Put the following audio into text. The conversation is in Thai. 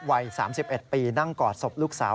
วัย๓๑ปีนั่งกอดศพลูกสาว